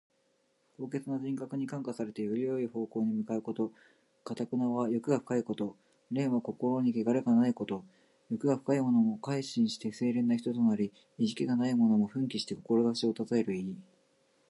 高潔な人格に感化されて、よい方向に向かうこと。「頑」は欲が深いこと。「廉」は心にけがれがないこと。欲が深いものも改心して清廉な人となり、意気地がないものも奮起して志を立てる意。